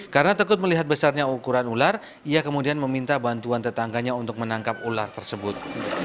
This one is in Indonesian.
karena tekut melihat besarnya ukuran ular ia kemudian meminta bantuan tetangganya untuk menangkap ular tersebut